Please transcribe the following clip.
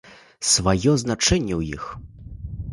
Сваё значэнне ў іх.